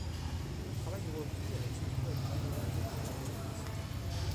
Le travail reprit avec cette fois une majorité de travailleurs mexicains.